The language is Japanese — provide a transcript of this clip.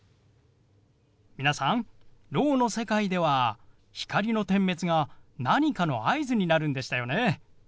皆さんろうの世界では光の点滅が何かの合図になるんでしたよね。